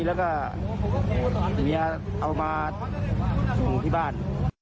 แล้วก็เมียเอามาส่งที่บ้าน